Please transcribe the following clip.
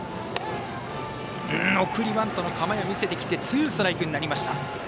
送りバントの構えを見せてきてツーストライクになりました。